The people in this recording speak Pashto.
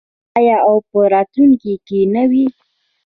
آیا او په راتلونکي کې نه وي؟